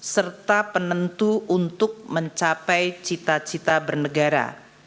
serta penentu untuk mencapai cita cita bernegara